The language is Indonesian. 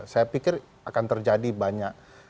saya pikir akan terjadi banyak